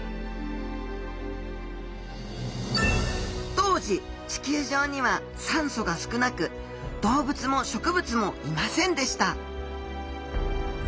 当時地球上には酸素が少なく動物も植物もいませんでした